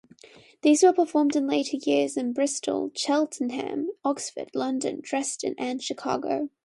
These were performed in later years in Bristol, Cheltenham, Oxford, London, Dresden and Chicago.